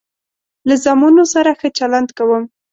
له زامنو سره ښه چلند کوم.